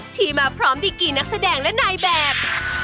ที่มาพร้อมดีกี่นักแสดงและนายแบบ